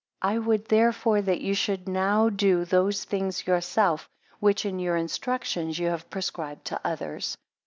I would therefore that ye should now do those things yourselves, which in your instructions you have prescribed to others.